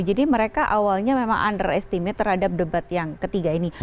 jadi mereka awalnya memang underestimate terhadap debat yang ketiga ini